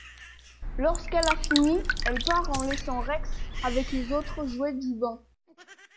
Lorsqu'elle a fini, elle part en laissant Rex avec les autres jouets du bain.